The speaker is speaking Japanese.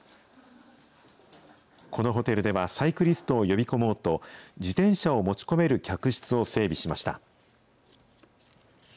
このホテルでは、サイクリストを呼び込もうと、自転車を持ち込める客室を整備しました。